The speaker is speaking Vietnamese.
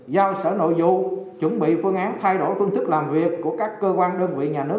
giao sở nội vụ chuẩn bị phương án thay đổi phương thức làm việc của các cơ quan đơn vị nhà nước